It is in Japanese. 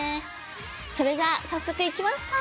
それじゃあ早速行きますか。